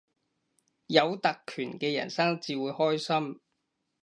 有特權嘅人生至會開心